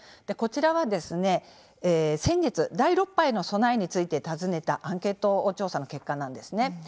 こちらは先月、第６波への備えについて尋ねたアンケート調査の結果なんです。